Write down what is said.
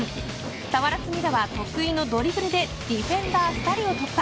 俵積田は、得意のドリブルでディフェンダー２人を突破。